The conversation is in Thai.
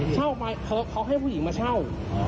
เขาให้ผู้หญิงมาเช่า